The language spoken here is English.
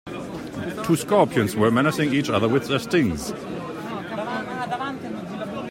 Two scorpions were menacing each other with their stings.